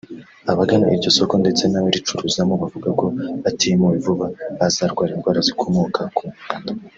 Abagana iryo soko ndetse n’abaricuruzamo bavuga ko batimuwe vuba bazarwara indwara zikomoka ku mwanda